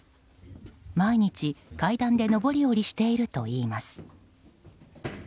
毎日、階段で上り下りしているといいます。